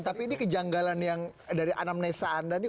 tapi ini kejanggalan yang dari anamnesa anda nih